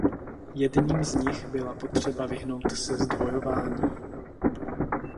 Jedním z nich byla potřeba vyhnout se zdvojování.